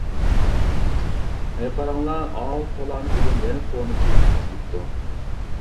-ھەي قاراڭلار ئاۋۇ پالانى بۈگۈن يەنە كونا كىيىمىنى كىيىپتۇ.